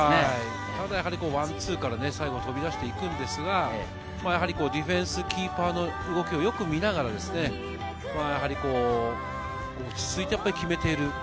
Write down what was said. ワンツーから最後飛び出していくんですが、ディフェンス、キーパーの動きをよく見ながら、落ち着いて決めている。